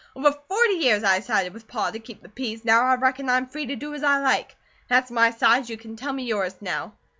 Over forty years, I sided with Pa, to keep the peace; NOW I reckon I'm free to do as I like. That's my side. You can tell me yours, now."